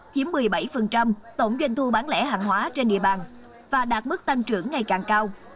chiếm một mươi bảy tổng doanh thu bán lẻ hàng hóa trên địa bàn và đạt mức tăng trưởng ngày càng cao